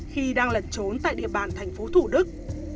khi đang lẩn trốn tại địa bàn thành phố thủ đức